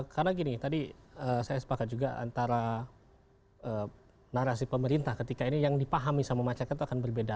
karena gini tadi saya sepakat juga antara narasi pemerintah ketika ini yang dipahami sama masyarakat itu akan berbeda